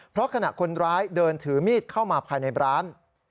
เพราะขณะคนร้ายเดินถือมีดเข้ามาภายในร้าน